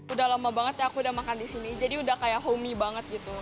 udah lama banget ya aku udah makan di sini jadi udah kayak homey banget gitu